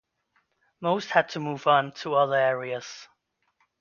Most had to move on to other areas.